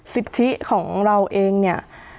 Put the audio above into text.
สิทธิของเราเองเนี่ย